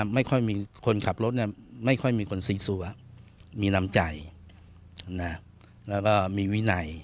ไม่ค่อยมีคนขับรถไม่ค่อยมีคนซีซัวมีน้ำใจแล้วก็มีวินัย